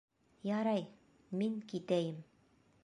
Ярай, мин китәйем.